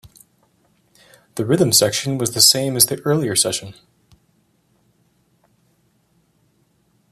The rhythm section was the same as the earlier session.